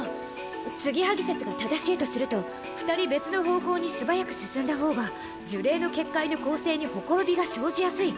継ぎはぎ説が正しいとすると二人別の方向に素早く進んだ方が呪霊の結界の構成に綻びが生じやすい。